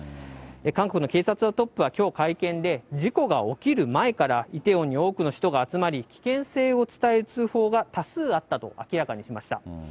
韓国の警察のトップはきょう会見で、事故が起きる前からイテウォンに多くの人が集まり、危険性を伝える通報が多数あったと明らかにしました。